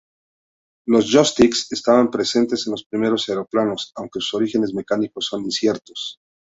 Los "joysticks" estaban presentes en los primeros aeroplanos, aunque sus orígenes mecánicos son inciertos.